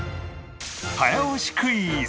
早押しクイズ！